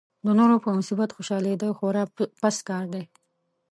د نورو په مصیبت خوشالېدا خورا پست کار دی.